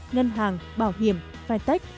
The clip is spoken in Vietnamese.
ngân hàng bảo hiểm phai tách